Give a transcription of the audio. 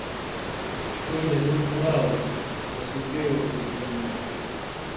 پشکۆی لە دڵ خراوە، دەسووتێ وەکوو تەنوور